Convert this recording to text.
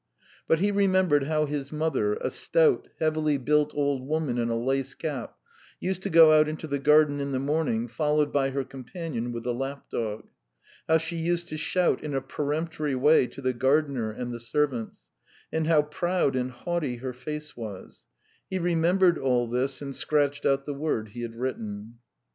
But he remembered how his mother, a stout, heavily built old woman in a lace cap, used to go out into the garden in the morning, followed by her companion with the lap dog; how she used to shout in a peremptory way to the gardener and the servants, and how proud and haughty her face was he remembered all this and scratched out the word he had written.